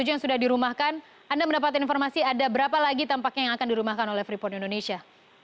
dari dua ratus empat puluh tujuh yang sudah dirumahkan anda mendapatkan informasi ada berapa lagi tampaknya yang akan dirumahkan oleh freeport indonesia